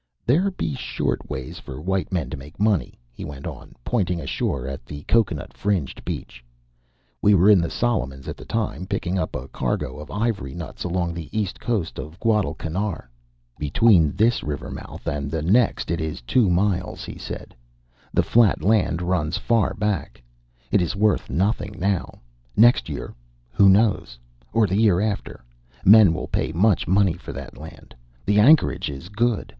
"There be short ways for white men to make money," he went on, pointing ashore at the cocoanut fringed beach. We were in the Solomons at the time, picking up a cargo of ivory nuts along the east coast of Guadalcanar. "Between this river mouth and the next it is two miles," he said. "The flat land runs far back. It is worth nothing now. Next year who knows? or the year after, men will pay much money for that land. The anchorage is good.